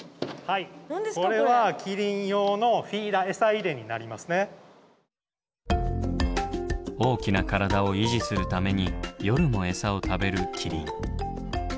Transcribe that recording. これは大きな体を維持するために夜もエサを食べるキリン。